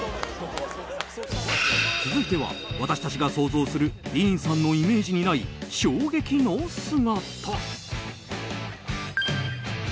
続いては私たちが想像するディーンさんのイメージにない衝撃の姿。